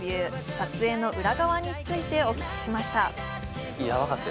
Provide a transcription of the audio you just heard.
撮影の裏側についてお聞きしました。